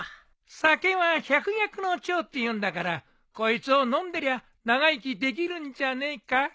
「酒は百薬の長」って言うんだからこいつを飲んでりゃ長生きできるんじゃねえか？